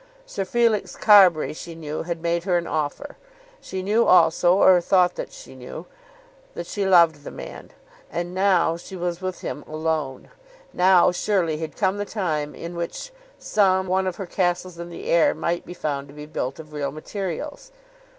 Sir Felix Carbury, she knew, had made her an offer. She knew also, or thought that she knew, that she loved the man. And now she was with him alone! Now surely had come the time in which some one of her castles in the air might be found to be built of real materials.